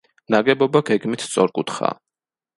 ნაგებობა გეგმით სწორკუთხაა.